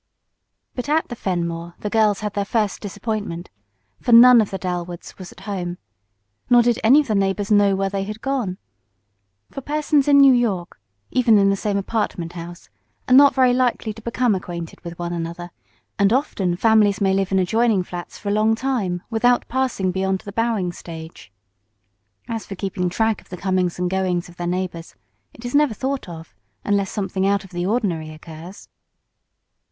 But at the Fenmore the girls had their first disappointment, for none of the Dalwoods was at home. Nor did any of the neighbors know where they had gone. For persons in New York, even in the same apartment house, are not very likely to become acquainted with one another, and often families may live in adjoining flats for a long time, without passing beyond the bowing stage. As for keeping track of the comings and goings of their neighbors, it is never thought of, unless something out of the ordinary occurs.